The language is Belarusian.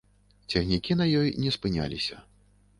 Цягнікі на ёй не спыняліся.